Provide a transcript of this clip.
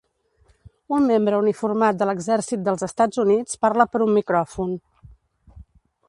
Un membre uniformat de l'exèrcit dels Estats Units parla per un micròfon.